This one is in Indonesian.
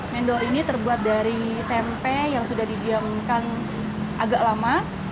mendor ini terbuat dari tempe yang sudah didiamkan agak lama